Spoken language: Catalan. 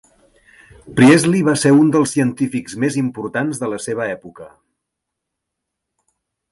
Priestley va ser un dels científics més importants de la seva època.